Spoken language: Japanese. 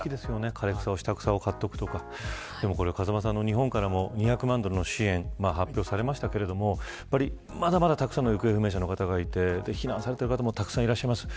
枯れ草などを刈っておくとか日本からも２００万ドルの支援が発表されましたがまだまだたくさんの行方不明者の方がいて、非難されている方もたくさんいらっしゃいます。